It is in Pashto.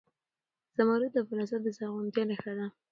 زمرد د افغانستان د زرغونتیا نښه ده.